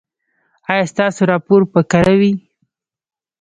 ایا ستاسو راپور به کره وي؟